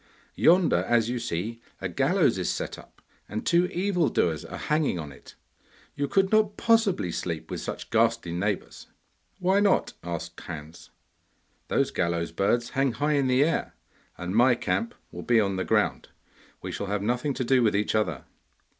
Yonder, as you see, a gallows is set up, and two evil doers are hanging on it. You could not possibly sleep with such ghastly neighbours.' 'Why not?' asked Hans. 'Those gallows birds hang high in the air, and my camp will be on the ground; we shall have nothing to do with each other.